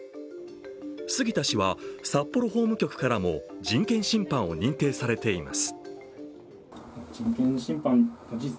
杉田氏は札幌法務局からも人権侵犯を認定されています。